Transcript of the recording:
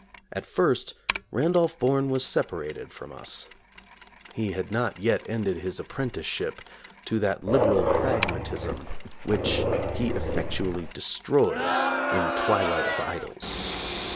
At first Randolph Bourne was separated from us. He had not yet ended his apprenticeship to that "liberal pragmatism" which he effectually de stroys in "Twilight of Idols."